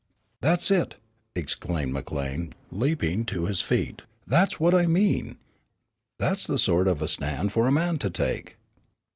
"That's it," exclaimed McLean, leaping to his feet, "that's what I mean. That's the sort of a stand for a man to take."